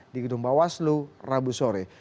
di gedung bawaslu rabu sore